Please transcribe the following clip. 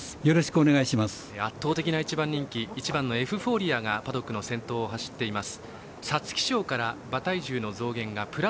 圧倒的な１番人気エフフォーリアがパドックの先頭を走っています。